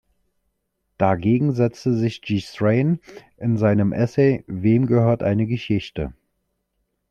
Dagegen setzte sich Gstrein in seinem Essay "Wem gehört eine Geschichte?